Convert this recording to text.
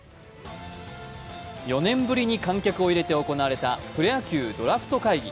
４年ぶりに観客を入れて行われたプロ野球ドラフト会議。